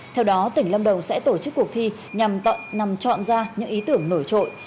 theo đó tỉnh lâm đồng sẽ tổ chức cuộc thi nhằm chọn ra những ý tưởng nổi trội